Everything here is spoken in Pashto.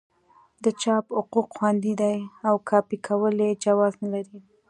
د چاپ حقوق خوندي دي او کاپي کول یې جواز نه لري.